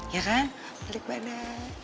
ya kan balik badan